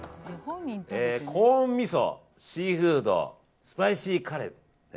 コーン味噌、シーフードスパイシーカレー。